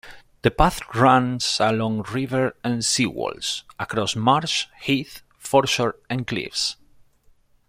The path runs along river and sea walls, across marsh, heath, foreshore and cliffs.